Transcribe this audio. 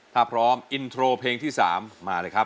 ถ้าพร้อมอินโทรเพลงที่๓มาเลยครับ